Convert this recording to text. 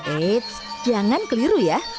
eits jangan keliru ya